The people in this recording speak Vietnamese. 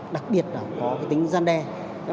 đặc biệt là có cái tính gian đe